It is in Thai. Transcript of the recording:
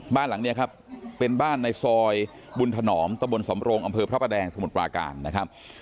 บ้านหลังนี้ครับเป็นบ้านในซอยบุญถนอมตะบนสำโรงอำเภอพระประแดงสมุทรปราการนะครับ